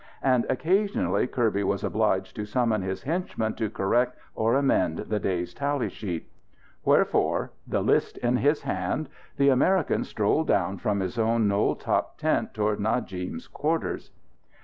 And occasionally Kirby was obliged to summon his henchman to correct or amend the day's tally sheet. Wherefore, the list in his hand, the American strolled down from his own knoll top tent toward Najib's quarters.